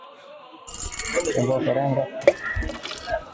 Chambua karanga na kuzikaanga ili zikauke